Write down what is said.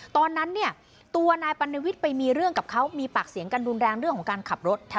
ตอนนั้นเนี่ยตัวนายปัณวิทย์ไปมีเรื่องกับเขามีปากเสียงกันรุนแรงเรื่องของการขับรถ